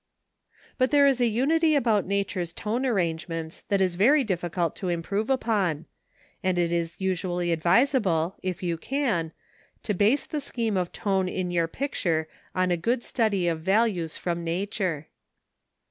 But there is a unity about nature's tone arrangements that it is very difficult to improve upon; and it is usually advisable, if you can, to base the scheme of tone in your picture on a good study of values from nature.